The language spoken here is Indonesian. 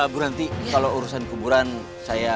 berhenti kalau urusan kuburan saya